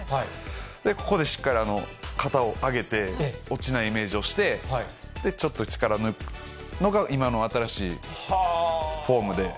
ここでしっかり肩を上げて、落ちないイメージをして、ちょっと力を抜くのが、今の新しいフォームで。